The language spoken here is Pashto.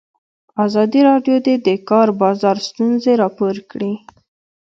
ازادي راډیو د د کار بازار ستونزې راپور کړي.